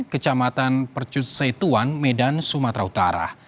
kecamatan percut seituan medan sumatera utara